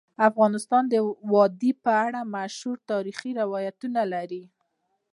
افغانستان د وادي په اړه مشهور تاریخی روایتونه لري.